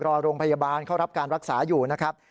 รอโรงพยาบาลเข้ารับการรักษาอยู่นะครับ